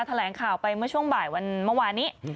แถลงข่าวไปเมื่อช่วงบ่ายวันเมื่อวานนี้